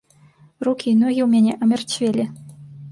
Рукі і ногі ў мяне амярцвелі.